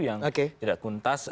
yang tidak kuntas